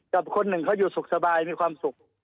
กับคนหนึ่งเขาอยู่สุขสบายมีความสุข